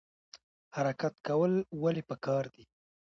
حرکت کول ولې پکار دي؟